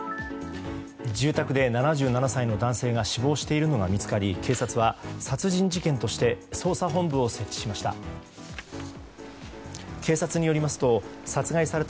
住宅で７７歳の男性が死亡しているのが見つかり警察は殺人事件として捜査本部を設置しました。